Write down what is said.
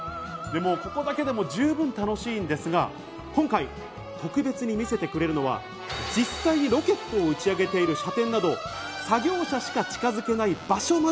でもここだけでも十分楽しんですが、今回、特別に見せてくれるのは実際にロケットを打ち上げている場所。